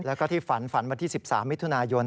แล้วก็ที่ฝันฝันวันที่๑๓มิถุนายน